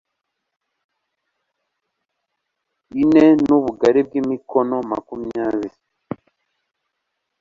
ine n ubugari bw imikono makumyabiri